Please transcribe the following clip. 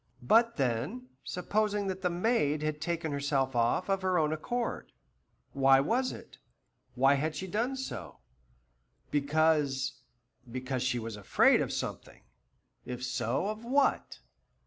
But then, supposing that the maid had taken herself off of her own accord? Why was it? Why had she done so? Because because she was afraid of something. If so, of what?